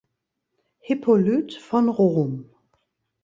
Hippolyt von Rom.